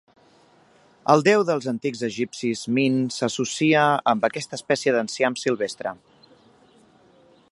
El déu dels antics egipcis Min s'associa amb aquesta espècie d'enciam silvestre.